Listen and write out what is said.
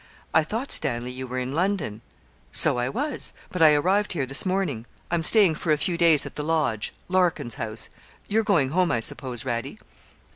'I thought, Stanley, you were in London.' 'So I was; but I arrived here this morning; I'm staying for a few days at the Lodge Larkin's house; you're going home, I suppose, Radie?'